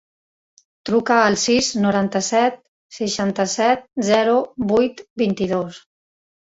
Truca al sis, noranta-set, seixanta-set, zero, vuit, vint-i-dos.